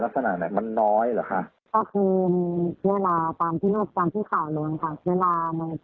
สกปรกไม่สะอาดค่ะและประมาณไม่พอ